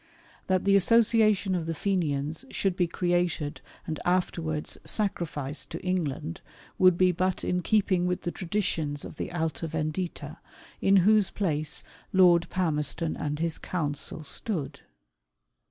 That the association of the Fenians should be created and afterwards sacrificed to England, would be but in keeping with the traditions of the Alta Vendita, in whose place Lord Palmerston and his council stood.